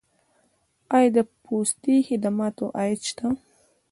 آیا د پستي خدماتو عاید شته؟